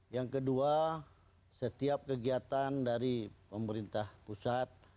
yang kedua setiap kegiatan dari pemerintah pusat